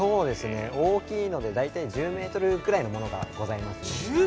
大きいので大体１０ｍぐらいのものがあります。